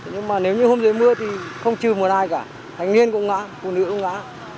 nhưng mà nếu như hôm dưới mưa thì không trừ một ai cả thanh niên cũng ngã phụ nữ cũng ngã